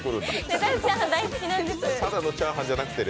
レタスチャーハン大好きなんです。